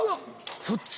そっち？